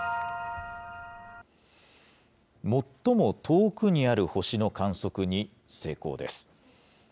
最も遠くにある星の観測に成功です。